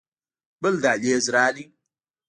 بل دهليز راغى.